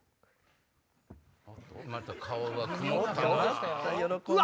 また顔が曇ったな。